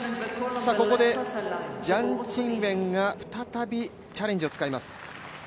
ここでジャン・チンウェンが再びチャレンジを使います。